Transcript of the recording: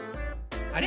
あれ？